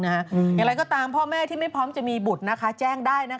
อย่างไรก็ตามพ่อแม่ที่ไม่พร้อมจะมีบุตรแจ้งได้